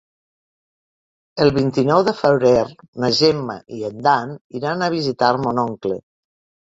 El vint-i-nou de febrer na Gemma i en Dan iran a visitar mon oncle.